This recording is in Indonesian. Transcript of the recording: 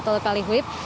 tidak ada penurunan